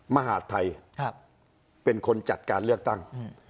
มหาดไทยเป็นคนจัดการเลือกตั้ง